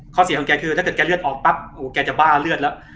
เสียงของแกคือถ้าเกิดแกเลือดออกปั๊บแกจะบ้าเลือดแล้ว